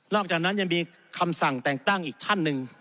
อกจากนั้นยังมีคำสั่งแต่งตั้งอีกท่านหนึ่ง